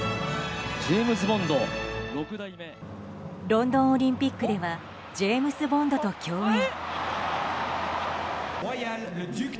ロンドンオリンピックではジェームズ・ボンドと共演。